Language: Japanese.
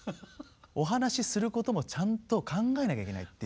お話しすることもちゃんと考えなきゃいけないっていう。